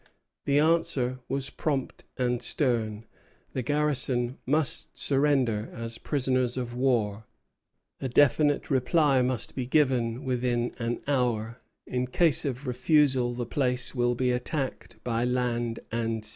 The answer was prompt and stern: the garrison must surrender as prisoners of war; a definite reply must be given within an hour; in case of refusal the place will be attacked by land and sea.